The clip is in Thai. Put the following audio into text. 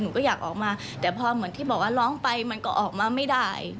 ก็อยากออกมาแต่พอเหมือนที่บอกว่าร้องไปมันก็ออกมาไม่ได้